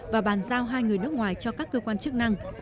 và bàn giao hai người nước ngoài cho các cơ quan chức năng